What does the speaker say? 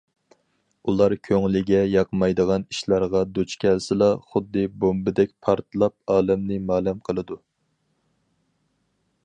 ئۇلار كۆڭلىگە ياقمايدىغان ئىشلارغا دۇچ كەلسىلا، خۇددى بومبىدەك پارتلاپ ئالەمنى مالەم قىلىدۇ.